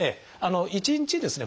１日ですね